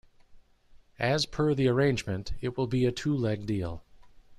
As per the arrangement, it will be a two-leg deal.